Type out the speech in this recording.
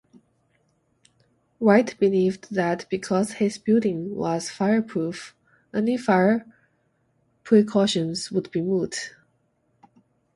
Wright believed that because his building was fireproof, any fire precautions would be moot.